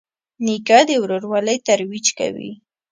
نیکه د ورورولۍ ترویج کوي.